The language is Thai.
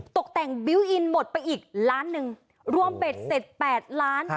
ตกแต่งบิวต์อินหมดไปอีกล้านหนึ่งรวมเบ็ดเสร็จ๘ล้าน